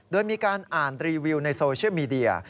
โดยมีการอ่านรีวิวในโซเชียลมีเดีย